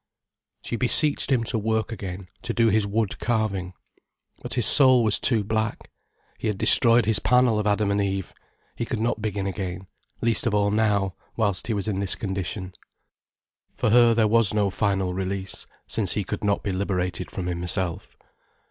She beseeched him to work again, to do his wood carving. But his soul was too black. He had destroyed his panel of Adam and Eve. He could not begin again, least of all now, whilst he was in this condition. For her there was no final release, since he could not be liberated from himself.